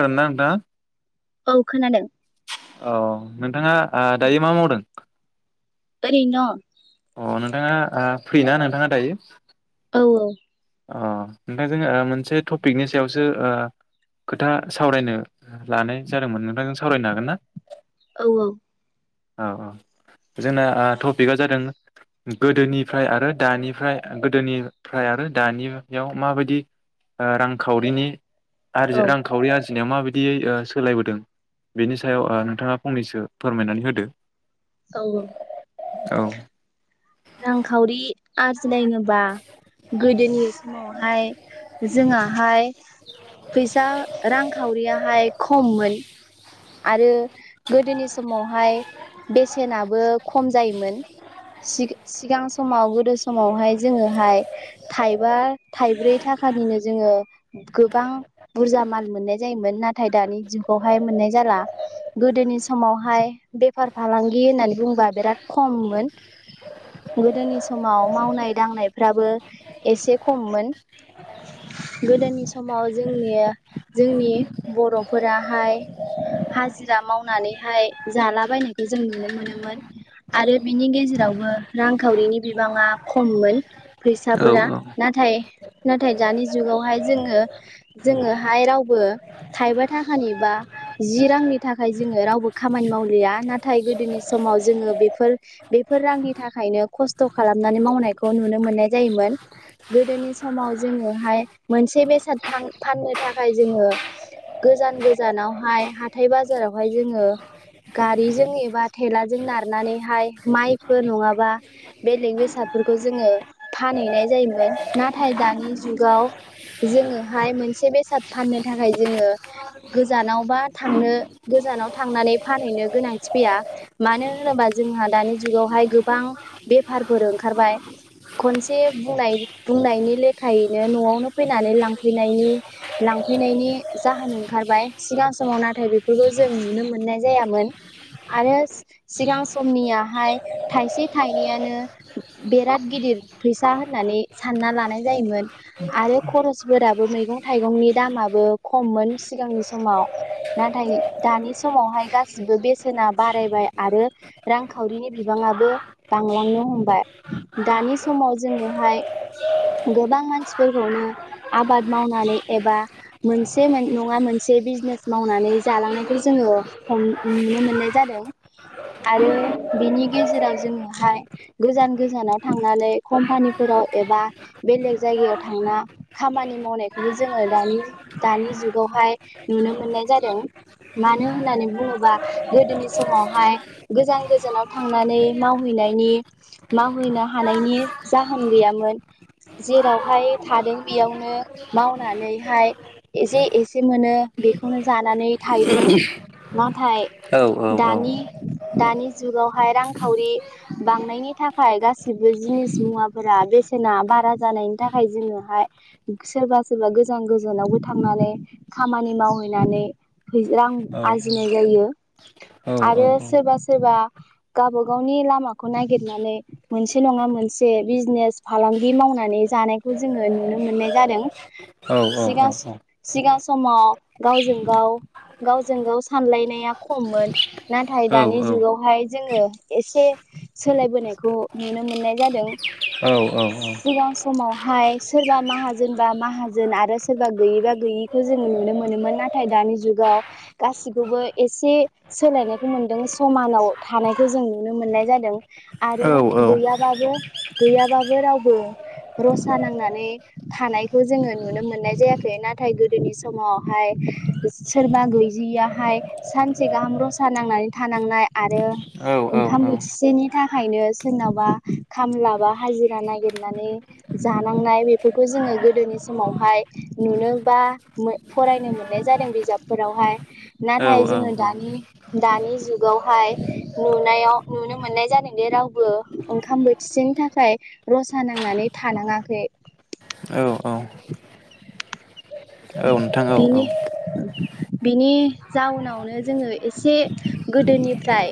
ओ ना नोंथा औ खोनादों। औ नोंथांआ ओ दायो मा मावदों? ओरैनो दङ'। अ नोंथाङा ओ फ्रि ना नोंथाङा दायो? दं औ अ नोंथांजों ओ मोनसे टपिकनि सायावसो ओ खोथा सावरायनो लानाय जादोंमोन नोंथांजों सावरायनो हागोन ना? औ औ औ औ जोंना ओ टपिकआ जादों गोदोनिफ्राय आरो दानिफ्राय गोदोनिफ्राय आरो दानियाव माबायदि ओ रांखावरिनि आरजि औ रांखावरि आरजि दिना माबायदियै ओ सोलायबोदों बेनि सायाव ओ नोंथाङा फंनैसो फोरमायनानै होदो। औ औ औ रांखावरि आरजिनाय होनोबा गोदोनि समावहाय जोंआहाय फैसा रांखावरियाहाय खममोन। आरो गोदोनि समावहाय बेसेनाबो खम जायोमोन सि-सिगां समाव गोदो समावहाय जोङोहाय थाइबा थाइब्रै थाखानिनो जोङो गोबां बुरजा माल मोननाय जायोमोन नाथाय दानि जुगावहाय मोननाय जाला गोदोनि समावहाय बेफार फालांगि होननानै बुंबा बिराद खममोन गोदोनि समाव मावनाय दांनायफ्राबो एसे खममोन गोदोनि समाव जोंनि जोंनि बर'फोराहाय हाजिरा मावनानैहाय जालाबायनायखौ जों नुनो मोनोमोन आरो बिनि गेजेरावबो रांखावरिनि बिबाङा खममोन। औ फैसाफोरा नाथाय नाथाय दानि जुगावहाय जोङो जोङोहाय रावबो थाइबा थाखानि बा जि रांनि थाखाय जोङो रावबो खामानि मावलिया नाथाय गोदोनि समाव जोङो बेफोर बेफोर रांनि थाखायनो खस्थ खालामनानै मावनायखौ नुनो मोननाय जायोमोन गोदोनि समाव जोङोहाय मोनसे बेसादां फान फाननो थाखाय जोङो गोजान गोजानावहाय हाथाय बाजारावहाय जोङो गारिजों एबा थेलाजों नारनानैहाय माइफोर नङाबा बेलेग बेसादफोरखौ जोङो फानहैनाय जायोमोन नाथाय दानि जुगाव जोङोहाय मोनसे बेसाद फाननो थाखाय जोङो गोजानावबा थांनो गोजानाव थांनानै फानहैनो गोनांथि फैया मानो होनोबा जोंहा दानि जुगावहाय गोबां बेफारफोर ओंखारबाय खनसे बुंनाय बुंनायनि लेखायैनो नआवनो फैनानै लांफैनायनि लांफैनायनि जाहोन ओंखारबाय सिगां समाव नाथाय बेफोरखौ जों नुनो मोननाय जायामोन आरो सिगां समनियाहाय थाइसे थाइनैयानो बिराद गिदिर फैसा होननानै सानना लानाय जायोमोन आरो खरसफोराबो मैगं थाइगंनि दामाबो खममोन सिगांनि समाव नाथाय दानि समावहाय गासिबो बेसेना बारायबाय आरो रांखावरिनि बिबाङाबो बांलांनो हमबाय दानि समाव जोङोहाय गोबां मानसिफोरखौनो आबाद मावनानै एबा मोनसे नङा मोनसे बिजनेस मावनानै जालांनायखौ जोङो हमनो नुनो मोननाय जादों आरो बिनि गेजेराव जोङोहाय गोजान गोजानाव थांनानै कम्पानिफोराव एबा बेलेग जायगायाव थांना खामानि मावनायखौबो जोङो दानि दानि जुगावहाय नुनो मोनो मोननाय जादों मानो होननानै बुङोबा गोदोनि समावहाय गोजान गोजानाव थांनानै मावहैनायनि मावहैनो हानायनि जाहोन गैयामोन जेरावहाय थादों बेयावनो मावनानैहाय एसेे एसे मोनो बेखौनो जानानै थायोमोन नाथाय औ औ दानि दानि जुगावहाय रांखावरि बांनायनि थाखाय गासिबो जिनिस मुवाफोरा बेसेना बारा जानायनि थाखाय जोङोहाय सोरबा सोरबा गोजान गोजानावबो थांनानै खामानि मावहैनानै रां औ आरजिनाय जायो औ आरो औ औ सोरबा सोरबा गावबा गावनि लामाखौ नागिरनानै मोनसे नङा मोनसे बिजनेस फालांगि मावनानै जानायखौ जोङो नुनो मोननाय जादों औ औ औ सिगां औ सिगां समाव गावजों गाव गावजों गाव सानलायनाया खममोन नाथाय दानि जुगावहाय जोङो एसे सोलायबोनायखौ नुनो मोननाय जादों औ औ औ सिगां समावहाय सोरबा माहाजोनबा माहाजोन आरो सोरबा गैयिबा गैयिखौ जो नुनो मोनो मोनोमोन नाथाय दानि जुगाव गासिखौबो एसे सोलायनायखौ मोनदों समानाव थानायखौ जों नुनो मोननाय जादों आरो औ गैयाबाबो गैयाबाबो रावबो रसा नांनानै थानायखौ जोङो नुनो मोननाय जायाखै नाथाय गोदोनि समाव हाय सोरबा गैयियाहाय सानसे गाहाम रसा नांनानै थानांनाय आरो ओंखाम बोथिसेनि थाखायनो सोरनबा खामला बा हाजिरा नागिरनानै जानांनाय बेफोरखौ जोङो गोदोनि समावहाय नुनोबा फरायनो मोननाय जादों बिजाबफोरावहाय नाथाय जोङो दानि दानि जुगावहाय नुनायाव नुनो मोननाय जादोंदि रावबो ओंखाम बोथिसेनि थाखाय रसा नांनानै थानाङाखै औ औ नोंथां औ औ बिनि बिनि जाउनावनो जोङो एसे गोदोनिफ्राय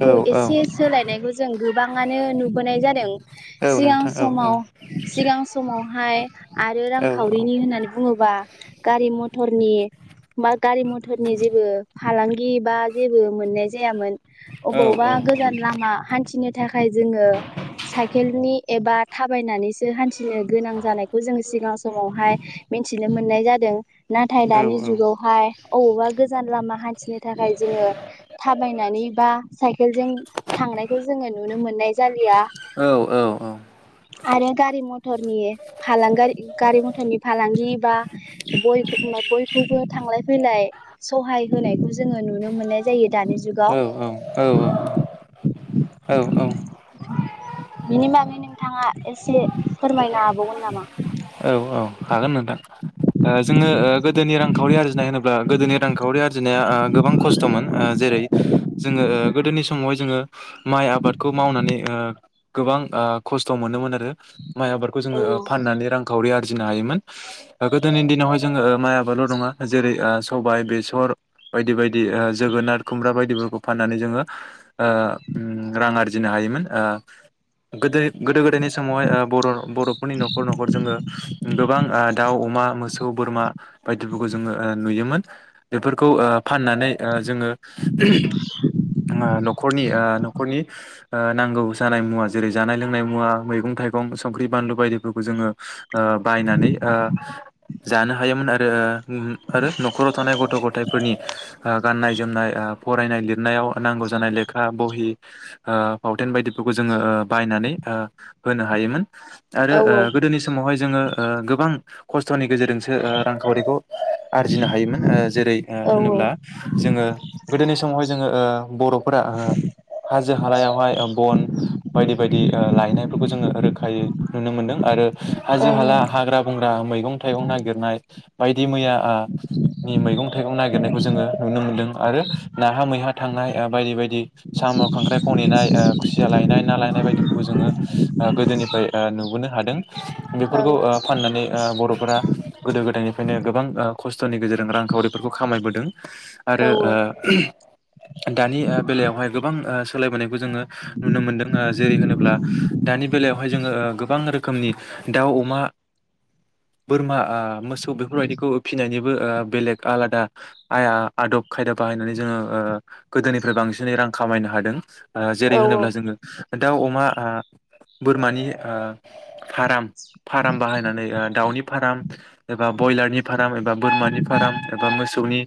औ औ एसे सोलायनायखौ जों गोबाङानो नुबोनाय जादों औ सिगां नोंथां औ समाव सिगां समावहाय आरो औ औ रांखावरिनि होननानै बुङो बा गारि मथरनि बा गारि मथरनि जेबो फालांगि बा जेबो मोननाय जायामोन अबावबा गोजान लामा हान्थिनो थाखाय जोङो साइकेलनि एबा थाबायनानैसो हान्थिनो गोनां जानायखौ जों सिगां समावहाय मिन थिनो मोननाय जादों नाथाय औ दानि जुगावहाय अबावबा गोजान लामा हान्थिनो थाखाय जोङो थाबायनानै बा साइकेलजों थांनायखौ जोङो नुनो मोननाय जालिया आरो गारि मथरनि फालां गारि गारि मथरनि फालांगि। बा बय बयखौबो थांलाय फैलाय सहाय होनायखौ जोङो नुनो मोननाय जायो दानि जुगाव। औ औ औ बिनि बागै नोंथाङा एसे फोरमायनो हाबावगोन नामा? औ हागोन। जोङो ओ गोदोनि रांखावरि आरजिनाय होनोब्ला गोदोनि खावरि आरजिनाया ओ गोबां खस्थमोन ओ जेरै जोङो गोदोनि समावहाय जोङो माइ आबादखौ मावनानै ओ गोबां ओ खस्थ मोनोमोन आरो। माइ आबादखौ औ जोङो फाननानै रांखावरि जिनो हायोमोन गोदोनि दिनावहाय जोङो माइ आबादल नङा जेरै ओ सबाइ बेसर बायदि बायदि ओ जोगोनार खुमब्रा बायदिफोरखौ फाननानै जोङो ओ रां आरजिनो हायोमोन ओ गोदो गोदो गोदायनि समावहाय ओ बर' बर'फोरनि नखर नखर जोङो गोबां ओ दाउ अमा मोसौ बोरमा बायदिफोरखौ जोङो ओ नुयोमोन बेफोरखौ ओ फाननानै ओ जोङो। खरनि ओ न'खरनि ओ नांगौ जानाय मुवा जेरै जानाय लोंनाय मुवा मैगं थाइगं संख्रि बानलु बायदिफोरखौ जोङो ओ बायनानै ओ जानो हायोमोन आरो आरो न'राव थानाय गथ' गथायफोरनि ओ गाननाय जोमनाय ओ फरायनाय लिरनायाव नांगौ जानाय लेखा बहि ओ फावथेन बायदिफोरखौ जोङो ओ बायनानै ओ होनो हायोमोन। आरो औ ओ गोदोनि समावहाय ओ गोबां खस्थ'नि गेजेरजोंसो ओ रांखावरिखौ आरजिनो हायोमोन ओ जेरै ओ होनोब्ला औ जोङो गोदोनि समावहाय जोङो ओ बर' फोरा ओ हाजो हालायावहाय बन बायदि बायदि ओ लायनायफोरखौ जोङो रोखायै नुनो मोन्दों आरो हाजो हाला हाग्रा बंग्रा मैगं थाइगं नागिरनाय दि मैया ओ मैगं थाइगं नागिरनाय खौ जोङो नुनो मोन्दों आरो नाहा मैहा थांनाय ओ बायदि बायदि। साम' खांख्राइ खनहैनाय ओ खुसिया लायनाय ना लायनाय बायदि जोङो ओ गोदोनिफ्राय ओ नुबोनो हादों। ओं बेफोरखौ ओ फाननानै ओ बर'फोरा गोदो गोदायनिफ्रायनो गोबां ओ खस्थ'नि गेजेरजों रांखावरिफोरखौ खामायबोदों। ओं औ आरो ओ दानि बेलायावहाय गो गोबां ओ सोलायबोनायखौ जोङो नुनो मोनदों जेरै होनोब्ला दानि बेलायावहाय जोङो गोबां रोखोमनि दाउ अमा बोरमा ओ मोसौ बेफोरबायदिखौ फिनायनिबो ओ बेलेग आलादा आइ आदब खायदा बाहायनानै जोङो ओ गोदोनिफ्राय बांसिनै रां खामायनो हादों। ओ जेरै औ होनोब्ला जोङो दाउ अमा ओ बोरमानि फाराम। फाराम बाहायनानै दाउनि फाराम। एबा ब्रयलारनि फार्म एबा बोरमानि फार्म एबा मोसौनि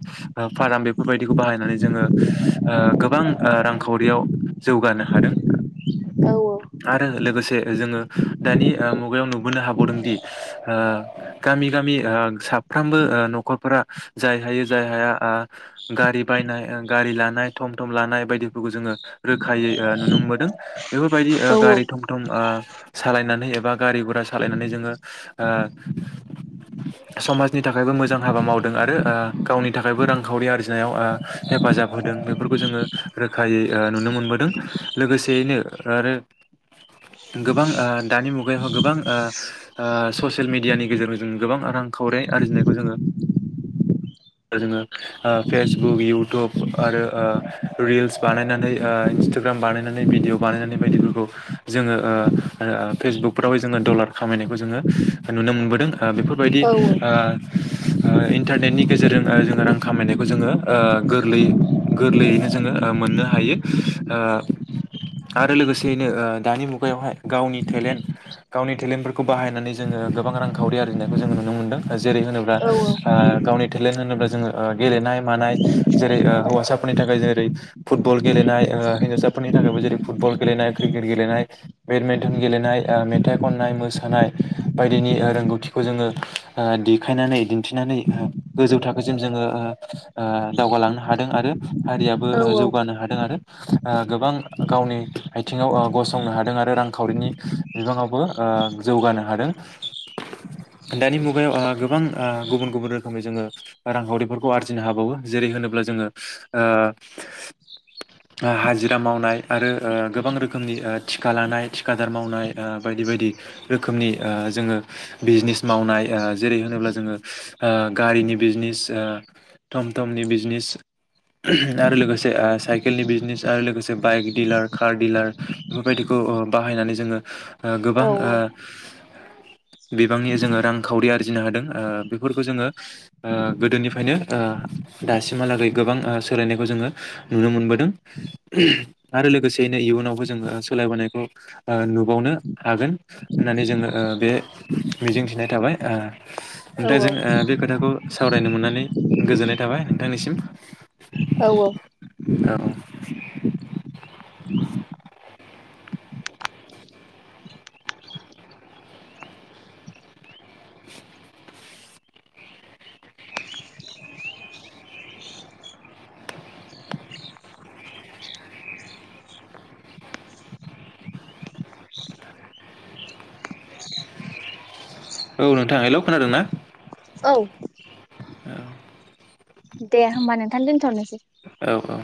फार्म बे फोरबायदिखौ बाहायनानै जोङो गोबां रांखावरियाव जौगानो हादों। औ आरो लोगोसे जोङो दानि मुगायाव नु बोनो हाबावदोंदि, गामि गामि साफ्रोमबो न'खरफोरा जाय हाय जाय हाया गारि बायनाय गारि लानाय थम थम लानाय बायदिफोरखौ जोङो रोखायै नुनो मोनदों। बेफोरबायदि औ गारि थम थम अ सालायनानै एबा गारि गुरा सालायनानै जोङो, समाजनि थाखायबो मोजां हाबा मावदों। आरो गावनि थाखायबो रांखावरि आरजिनायाव हेफाजाब होदों बेफोरखौ जोङो रोखायै नुनो मोनबोदों। लोगोसेयैनो आरो गोबां दानि मुगायाव गोबां अ अ ससियेल मेडियानि गेजेरजों जों गोबां रांखावरि आरजिनायखौ जोङो जोङो फेसबुक इउटुब आरो रिल्स बानायनानै इन्सटाग्राम बानायनानै भिडिअ बानायनानै बायदिफोरखौ जोङो अ अ फेसबुकफ्राव जोङो डलार खामायनायखौ जोङो नुनो मोनदों। फोरबायदि औ ओ-ओ इन्टारनेनि। गेजेरजों ओ जोङो रां खामायनायखौ जोङो ओ गोरलैयै गोरलैयैनो जोङो ओ मोननो हायो ओ आरो लोगोसेयैनो ओ दानि मुगायावहाय गावनि टेलेन्ट। गावनि टेलेन्टफोरखौ बाहायनानै जोङो गोबां रांखावरि आरजिनायखौ जों नुनो मोनदों। जेरै होनोब्ला औ ओ गावनि टेलेन्ट होनोब्ला जोङो ओ गेलेनाय मानाय जेरै- ओ हौवासाफोरनि थाखाय जेरै- फुटबल गेलेनाय ओ हिनजावसाफोरनि थाखायबो जेरै- फुटबल गेलेनाय क्रिकेट गेलेनाय बेडमिन्टन गेलेनाय ओ मेथाइ खननाय मोसानाय बायदिनि ओ रोंगौथिखौ जोङो ओ देखायनानै दिन्थिनानै ओ गोजौ थाखोसिम जोङो ओ-ओ दावगालांनो हादों आरो हारियाबो औ ओ औ जौगानो हादों आरो। ओ गोबां गावनि आयथिङाव ओ गसंनो हादों आरो रांखावरिनि बिबाङाव बो ओ जौगानो हादों दानि मुगायाव ओ गोबां ओ गुबुन-गुबुन रोखोमै जोङो रांखावरिफोरखौ आरजिनो हाबावो, जेरै- होनोब्ला जोङो ओ हाजिरा मावनाय आरो ओ गोबां रोखोमनि ओ थिका लानाय थिखादार मावनाय ओ। बायदि-बायदि रोखोमनि ओ जोङो बिजनेस मावनाय ओ जेरै- होनोब्ला जोङो ओ गारिनि बिजनेस, ओ थम थमनि बिजनेस, ओहोम आरो लोगोसे ओ साइकेलनि बिजनेस आरो लोगोसे बाइक डिलार, कार डिलार बेफोरबायदिखौ बाहायनानै जोङो। ओ औ औ गोबां ओ। बिबांनि जोङो रांखावरि आरजिनो हादों, ओ बेफोरखौ जोङो ओ गोदोनिफ्रायनो ओ दासिमहालागै गोबां ओ सोलायनायखौ जोङो नुनो मोनबोदों, आरो लोगोसेयैनो इयुनावबो जोङो सोलायबोनायखौ ओ नुबावनो। हागोन होननानै जोङो ओ बे मिजिंथिनाय थाबाय ओ नोंथांजों औ ओ बे खोथाखौ सावरायनो मोननानै गोजोननाय थाबाय नोंथांनिसिम। औ-औ। औ [unintelligible] औ नोंथा हेल' खोनादोंना? औ। औ। दे होमबा नोंथांनो दोनथ'नोसै। औ-औ।